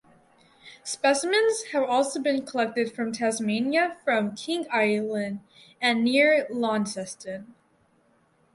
Specimens have also been collected from Tasmania from King Island and near Launceston.